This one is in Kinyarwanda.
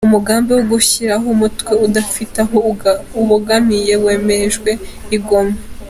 Umugambi wo gushyiraho umutwe udafite aho ubogamiye wemerejwe i Goma